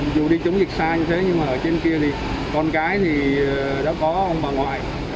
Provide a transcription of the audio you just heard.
dù đi chống dịch sai như thế nhưng mà ở trên kia thì con cái thì đã có ông bà ngoại